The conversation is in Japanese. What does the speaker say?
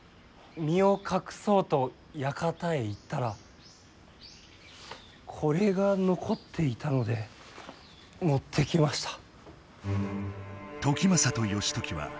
身を隠そうと館へ行ったらこれが残っていたので持ってきました。